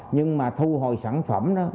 nhưng mà thu hồi sản phẩm đó